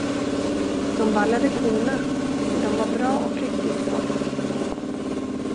De vallade korna, och de var bra och präktigt folk.